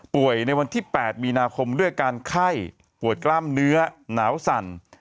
ในวันที่๘มีนาคมด้วยอาการไข้ปวดกล้ามเนื้อหนาวสั่น